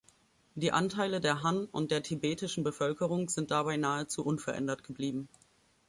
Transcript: Die Anteile der Han und der tibetischen Bevölkerung sind dabei nahezu unverändert geblieben.